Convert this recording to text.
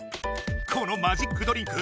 このマジックドリンク